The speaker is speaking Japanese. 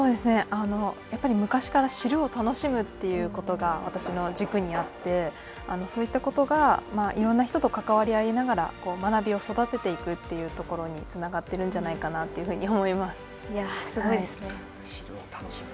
やっぱり昔から知るを楽しむということが私の軸にあって、そういったことがいろんな人と関わり合いながら、学びを育てていくというところにつながってるんじゃないかなといすごいですね。